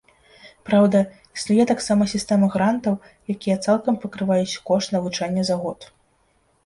Праўда, існуе таксама сістэма грантаў, якія цалкам пакрываюць кошт навучання за год.